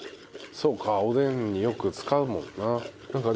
そうかおでんによく使うもんな。